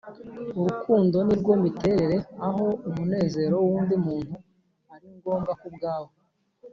“urukundo ni rwo miterere aho umunezero w'undi muntu ari ngombwa ku bwawe.”